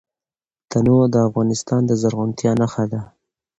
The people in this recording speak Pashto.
تنوع د افغانستان د زرغونتیا نښه ده.